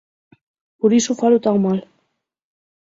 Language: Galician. Por iso falo tan mal.